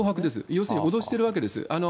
要するに脅してるわけです。